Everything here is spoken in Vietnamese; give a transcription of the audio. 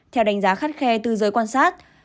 theo đánh giá khắt khe từ giới quan sát